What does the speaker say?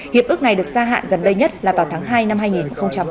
hiệp ước này được gia hạn gần đây nhất là vào tháng hai năm hai nghìn hai mươi một